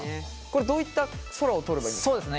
これどういった空を撮ればいいですか？